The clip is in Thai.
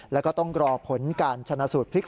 แล้วก็ต้องรอผลเหลือการฉนาสูตรพลิกศพ